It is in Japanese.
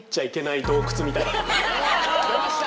出ました！